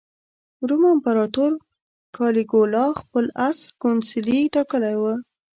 روم امپراطور کالیګولا خپل اس کونسلي ټاکلی و.